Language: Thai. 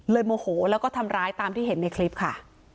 โมโหแล้วก็ทำร้ายตามที่เห็นในคลิปค่ะ